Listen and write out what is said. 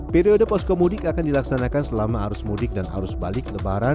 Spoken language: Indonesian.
periode poskomudik akan dilaksanakan selama arus mudik dan arus balik lebaran dua ribu dua puluh tiga